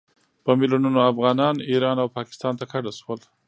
په میلونونو افغانان ایران او پاکستان ته کډه شول.